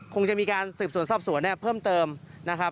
คงจะมีการสืบสวนสอบสวนเนี่ยเพิ่มเติมนะครับ